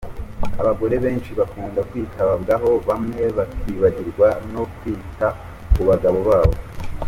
Abagore benshi bakunda kwitabwaho bamwe bakibagirwa no kwita ku bagabo babo.